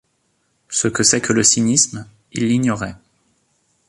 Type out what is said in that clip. Ce que c’est que le cynisme, il l’ignorait.